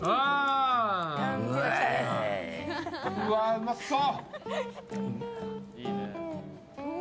うわ、うまそう！